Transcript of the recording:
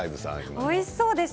おいしそうでした。